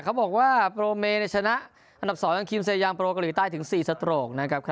เขาบอกว่าโปรเมชนะอันดับ๒ของคิมเซยางโปรเกาหลีใต้ถึง๔สโตรกนะครับ